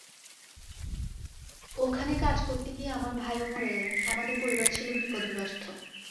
ওখানে কাজ করতে গিয়ে আমার ভাইও মরে গেল, আমাদের পরিবার ছিল বিপদগ্রস্ত।